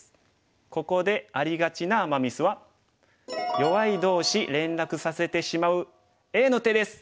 ここでありがちなアマ・ミスは弱い同士連絡させてしまうＡの手です。